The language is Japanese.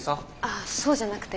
あそうじゃなくて。